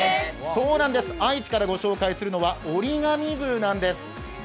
そうなんです、愛知からご紹介するのは折り紙部なんです。